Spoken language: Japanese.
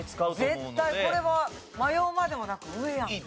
絶対これは迷うまでもなく上やんね。